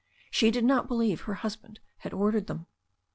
She did not believe her husband had ordered them.